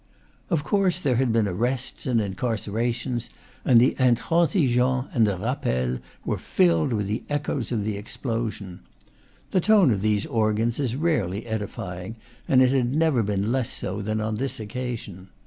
Of course there had been arrests and incarcerations, and the "Intransi geant" and the "Rappel" were filled with the echoes of the explosion. The tone of these organs is rarely edifying, and it had never been less so than on this occasion.